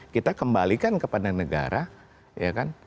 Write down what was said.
kita kembalikan kepada negara